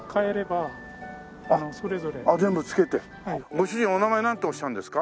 ご主人お名前なんておっしゃるんですか？